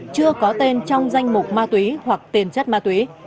chưa có tên trong danh mục ma túy hoặc tiền chất ma túy